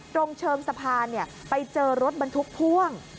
ตรงเชิงสะพานไปเจอรถบรรทุกพ่วง